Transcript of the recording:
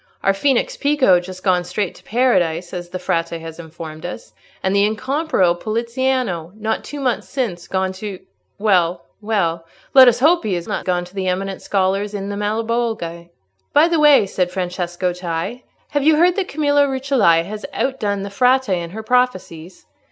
Our Phoenix Pico just gone straight to Paradise, as the Frate has informed us; and the incomparable Poliziano, not two months since, gone to—well, well, let us hope he is not gone to the eminent scholars in the Malebolge." "By the way," said Francesco Cei, "have you heard that Camilla Rucellai has outdone the Frate in her prophecies?